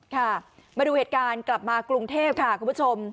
ค่ะมาดูเหตุการณ์กลับมากรุงเทพค่ะคุณผู้ชม